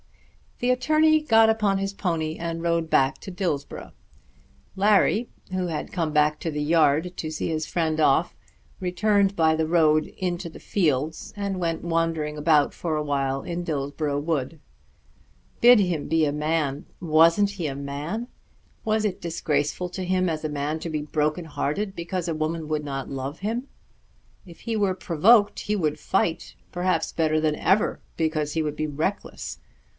The attorney got upon his pony and rode back to Dillsborough. Larry who had come back to the yard to see his friend off, returned by the road into the fields, and went wandering about for a while in Dillsborough Wood. "Bid him be a man!" Wasn't he a man? Was it disgraceful to him as a man to be broken hearted, because a woman would not love him? If he were provoked he would fight, perhaps better than ever, because he would be reckless.